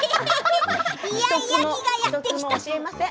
いやいや期がやって来た。